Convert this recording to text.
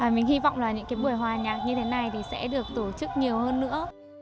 mình hy vọng là những buổi hòa nhạc như thế này thì sẽ được tổ chức nhiều hơn nữa